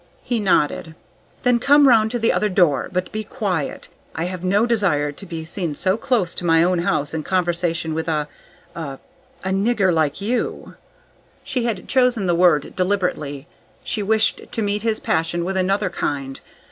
He nodded. "Then come round to the other door. But be quiet. I have no desire to be seen so close to my own house in conversation with a a a nigger like you!" She had chosen the word deliberately. She wished to meet his passion with another kind.